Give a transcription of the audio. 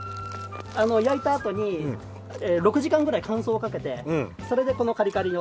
焼いたあとに６時間ぐらい乾燥をかけてそれでこのカリカリを。